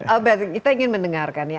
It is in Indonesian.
albert kita ingin mendengarkan ya